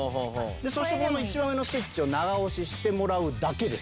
そしてこの一番上のスイッチを長押ししてもらうだけです。